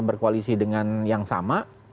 berkoalisi dengan yang sama